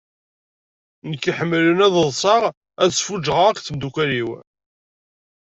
Nekk iḥemlen ad ḍṣeɣ ad sfuǧɣeɣ akk d temdukkal-iw.